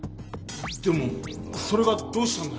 でもそれがどうしたんだ？